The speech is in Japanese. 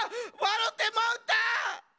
わろてもうた！